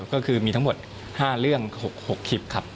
ก็คือมีทั้งหมด๕เรื่อง๖คลิปครับ